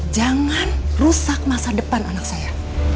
jangan rusak masa depan anak saya